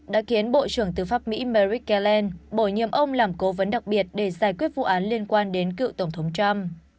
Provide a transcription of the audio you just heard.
đã khiến bộ trưởng tư pháp mỹ merrick garland bổ nhiệm ông làm cố vấn đặc biệt để giải quyết vụ án liên quan đến cựu tổng thống trump